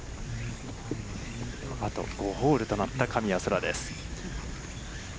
あと５ホールとなった神谷そらです。